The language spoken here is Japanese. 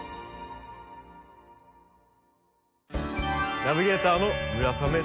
ナビゲーターの村雨辰剛です。